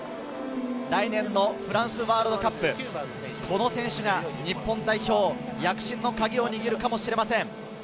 来年のフランスワールドカップ、この選手が日本代表躍進のカギを握るかもしれません。